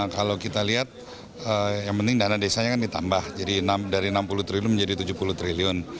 kalau kita lihat yang penting dana desanya ditambah dari rp enam puluh triliun menjadi rp tujuh puluh triliun